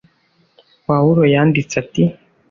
Pawulo yanditse ati